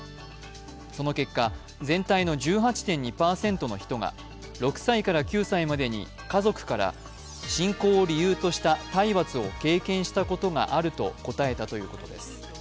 その結果、全体の１８．２％の人が６歳から９歳までに家族から信仰を理由とした体罰を経験したことがあると答えたということです。